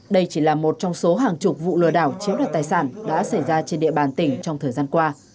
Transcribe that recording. đây chỉ là một trong số hàng chục vụ lừa đảo chiếm đoạt tài sản đã xảy ra trên địa bàn tỉnh trong thời gian qua